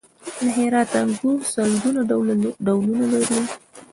د هرات انګور سلګونه ډولونه لري.